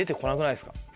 いいですか？